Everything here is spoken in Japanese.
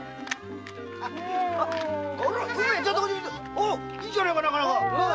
おういいじゃねえかなかなか。